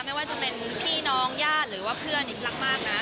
ไม่ว่าจะเป็นพี่น้องญาติหรือว่าเพื่อนรักมากนะ